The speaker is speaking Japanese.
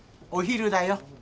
お昼だよ。